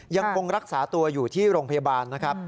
ยังคงรักษาตัวอยู่ที่โรงพยาบาลนะครับ